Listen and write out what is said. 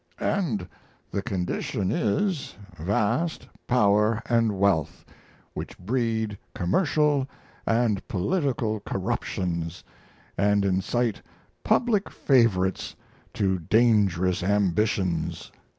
And the condition is, vast power and wealth, which breed commercial and political corruptions, and incite public favorites to dangerous ambitions."